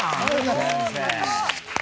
先生。